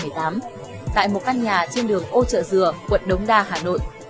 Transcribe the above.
tháng một mươi hai năm hai nghìn một mươi tám tại một căn nhà trên đường ô trợ dừa quận đống đa hà nội